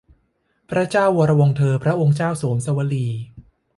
พระเจ้าวรวงศ์เธอ พระองค์เจ้าโสมสวลี